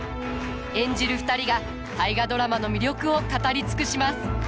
演じる２人が「大河ドラマ」の魅力を語り尽くします。